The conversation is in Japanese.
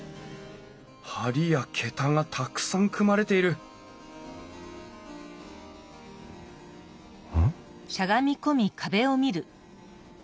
梁や桁がたくさん組まれているうん？